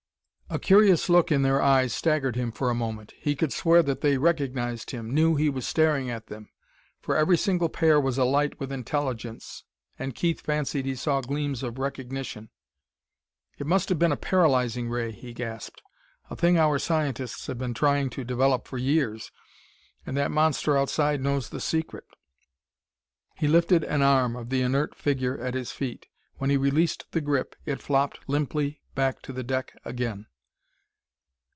A curious look in their eyes staggered him for a moment. He could swear that they recognized him, knew he was staring at them for every single pair was alight with intelligence, and Keith fancied he saw gleams of recognition. "It must have been a paralyzing ray!" he gasped. "A thing our scientists've been trying to develop for years.... And that monster outside knows the secret...." He lifted an arm of the inert figure at his feet; when he released the grip, it flopped limply back to the deck again.